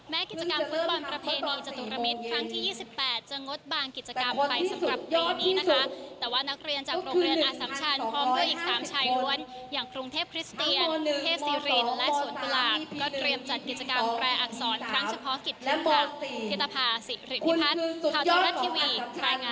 กิจกรรมฟุตบอลประเพณีจตุรมิตรครั้งที่๒๘จะงดบางกิจกรรมไปสำหรับปีนี้นะคะแต่ว่านักเรียนจากโรงเรียนอสัมชันพร้อมด้วยอีก๓ชายล้วนอย่างกรุงเทพคริสเตียนเทพศิรินและสวนตลาดก็เตรียมจัดกิจกรรมแปรอักษรครั้งเฉพาะกิจร่วมวง